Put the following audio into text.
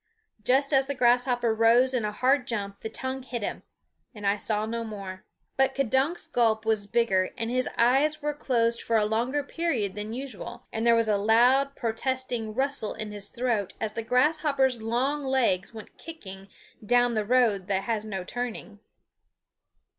Just as the grasshopper rose in a hard jump the tongue hit him, and I saw no more. But K'dunk's gulp was bigger and his eyes were closed for a longer period than usual, and there was a loud protesting rustle in his throat as the grasshopper's long legs went kicking down the road that has no turning.